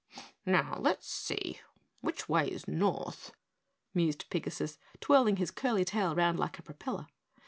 "Now, let's see, which way is north?" mused Pigasus, twirling his curly tail around like a propeller.